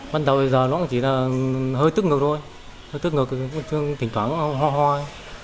bắt đầu giờ nó chỉ là hơi tức ngực thôi tức ngực tình toán ho hoi